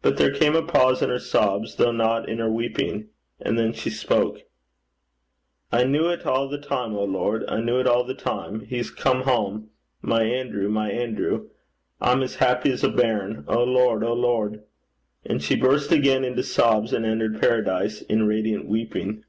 But there came a pause in her sobs, though not in her weeping, and then she spoke. 'I kent it a' the time, O Lord. I kent it a' the time. He's come hame. My Anerew, my Anerew! I'm as happy 's a bairn. O Lord! O Lord!' And she burst again into sobs, and entered paradise in radiant weeping.